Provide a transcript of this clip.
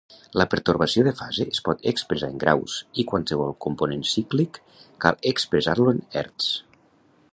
La pertorbació de fase es pot expressar en graus i qualsevol component cíclic cal expressar-lo en hertzs.